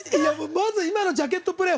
まず今のジャケットプレー